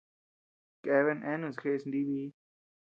Keabea eanus jeʼes nibii.